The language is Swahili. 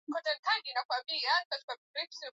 ya madawa ya kulevya duniani vituo vya kusaidia